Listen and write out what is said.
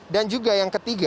dan juga yang ketiga